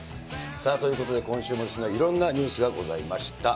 さあということで、今週もいろんなニュースがございました。